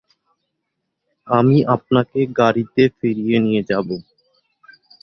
আমি আপনাকে গাড়িতে ফিরিয়ে নিয়ে যাব।